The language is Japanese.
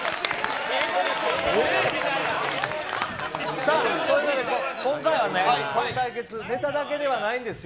さあ、今回はね、この対決、ネタだけではないんですよ。